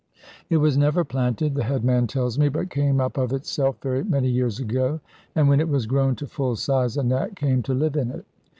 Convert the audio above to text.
It was never planted, the headman tells me, but came up of itself very many years ago, and when it was grown to full size a Nat came to live in it.